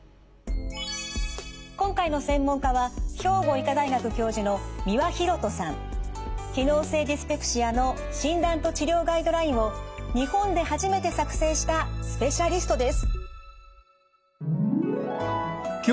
今回の専門家は機能性ディスペプシアの診断と治療ガイドラインを日本で初めて作成したスペシャリストです。